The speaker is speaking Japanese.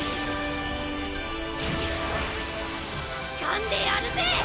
掴んでやるぜ！